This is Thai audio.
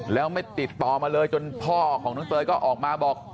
แล้วไม่ติดต่อมาเลยจนพ่อของน้องเตยก็ออกมาบอก